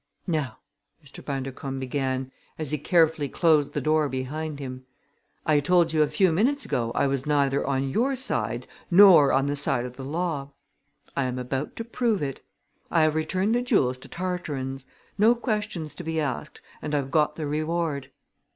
"Now," Mr. Bundercombe began, as he carefully closed the door behind him, "I told you a few minutes ago I was neither on your side nor on the side of the law. I am about to prove it. I have returned the jewels to Tarteran's, no questions to be asked, and I've got the reward.